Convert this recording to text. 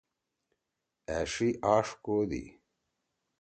أݜی آݜ کودی۔